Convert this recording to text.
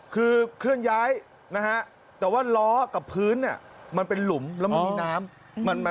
คือเคลื่อนย้ายนะฮะแต่ว่าล้อกับพื้นเนี่ยมันเป็นหลุมแล้วมันมีน้ำ